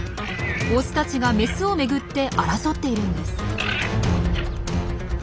オスたちがメスをめぐって争っているんです。